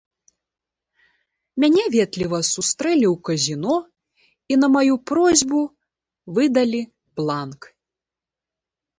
Мяне ветліва сустрэлі ў казіно і на маю просьбу выдалі бланк.